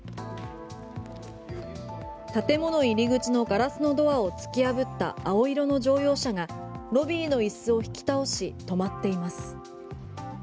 建物入口のガラスのドアを突き破った青色の乗用車がロビーの椅子を引き倒し止まっています。